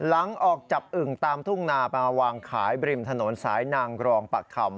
หลังออกจับอึ่งตามทุ่งนามาวางขายบริมถนนสายนางกรองปะคำ